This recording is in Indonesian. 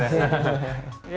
ye nama besar ya